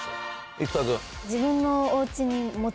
生田君。